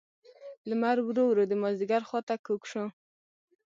لمر ورو ورو د مازیګر خوا ته کږ شو.